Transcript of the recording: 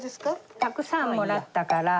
たくさんもらったから。